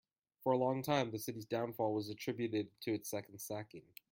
For a long time, the city's downfall was attributed to its second sacking.